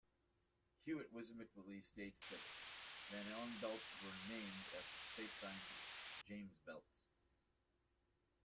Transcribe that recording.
Hewitt whimsically states that Van Allen belts were named after space scientist James Belts.